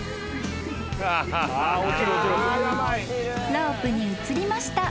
［ロープに移りました。